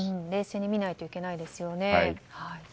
冷静に見ないといけないですよね。